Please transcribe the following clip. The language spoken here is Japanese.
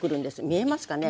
見えますかね？